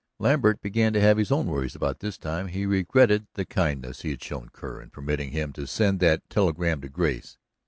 Lambert began to have his own worries about this time. He regretted the kindness he had shown Kerr in permitting him to send that telegram to Grace.